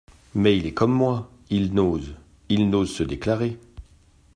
Mais il est comme moi… il n’ose… il n’ose se déclarer…